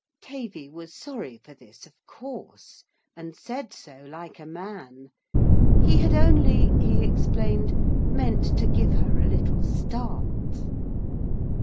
Tavy was sorry for this, of course, and said so like a man. He had only, he explained, meant to give her a little start.